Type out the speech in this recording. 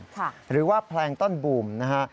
หรือว่าแพลงต้อนบูมนะฮะ